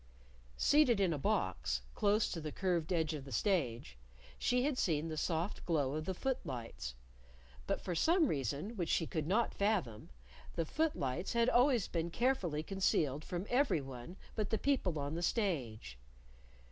Seated in a box, close to the curved edge of the stage, she had seen the soft glow of the footlights. But for some reason which she could not fathom, the footlights had always been carefully concealed from everyone but the people on the stage.